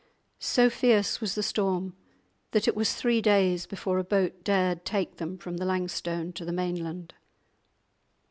So fierce was the storm that it was three days before a boat dared take them from the Langstone to the mainland.